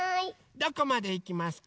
どこまでいきますか？